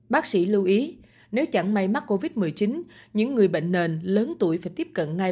bác sĩ lưu ý nếu chẳng may mắc covid một mươi chín những người bệnh nền lớn tuổi phải tiếp cận ngay